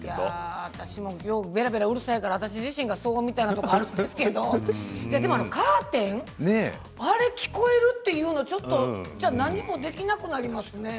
私、べらべらうるさいから私自身が騒音みたいな感じだけどカーテン、聞こえるというのはちょっと何もできなくなりますよね。